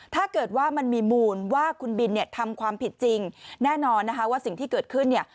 ถ้าเกิดว่ามันมีมูลว่าคุณบินเนี่ยทำความผิดจริงแน่นอนนะคะว่าสิ่งที่เกิดขึ้นเนี่ย